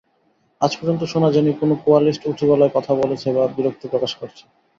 আজ পর্যন্ত শুনা যায়নি কোনো কোয়ালিস্ট উঁচু গলায় কথা বলেছে বা বিরক্তি প্রকাশ করেছে।